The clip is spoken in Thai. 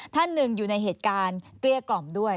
ท่านหนึ่งอยู่ในเหตุการณ์เกลี้ยกล่อมด้วย